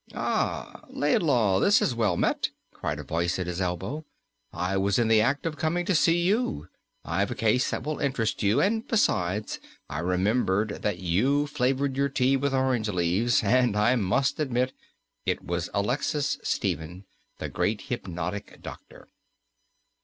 "Ah, Laidlaw, this is well met," cried a voice at his elbow; "I was in the act of coming to see you. I've a case that will interest you, and besides, I remembered that you flavoured your tea with orange leaves! and I admit " It was Alexis Stephen, the great hypnotic doctor.